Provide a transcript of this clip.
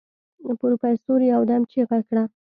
پروفيسر يودم چيغه کړه.